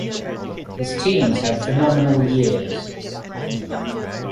His teams had phenomenal years.